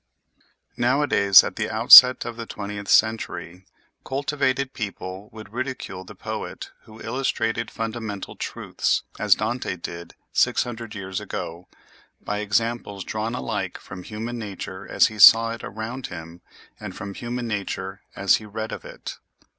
Nowadays, at the outset of the twentieth century, cultivated people would ridicule the poet who illustrated fundamental truths, as Dante did six hundred years ago, by examples drawn alike from human nature as he saw it around him and from human nature as he read of it.